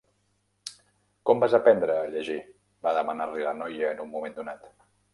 "Com vas aprendre a llegir?", va demanar-li la noia en un moment donat.